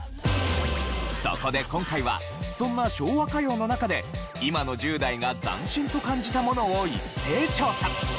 そこで今回はそんな昭和歌謡の中で今の１０代が斬新と感じたものを一斉調査。